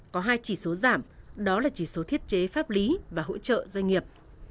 có hai chỉ số giảm đó là chỉ số thiết chế pháp lý và hỗ trợ doanh nghiệp